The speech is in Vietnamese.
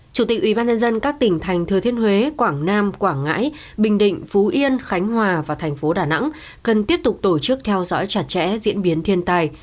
chủ tịch ubnd các tỉnh thành thừa thiên huế quảng nam quảng ngãi bình định phú yên khánh hòa và thành phố đà nẵng cần tiếp tục tổ chức theo dõi chặt chẽ diễn biến thiên tài